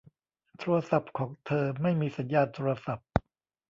โทรศัพท์ของเธอไม่มีสัญญาณโทรศัพท์